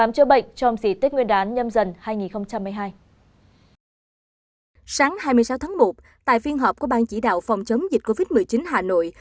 sáng hai mươi sáu tháng một tại phiên họp của ban chỉ đạo phòng chống dịch covid một mươi chín hà nội